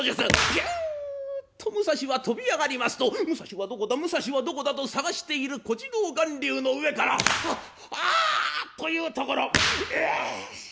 ピュンと武蔵は飛び上がりますと「武蔵はどこだ武蔵はどこだ」と捜している小次郎巌流の上から「あっ！」と言うところ「えいっ」。